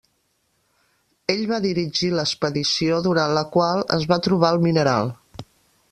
Ell va dirigir l'expedició durant la qual es va trobar el mineral.